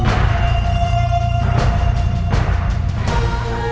saya akan mencari istana porak poranda seperti ini